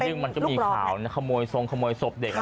แล้วยังมันจะมีข่าวขโมยทรงขโมยศพเด็กนะ